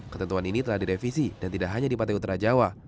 ketentuan ini telah direvisi dan tidak hanya di pantai utara jawa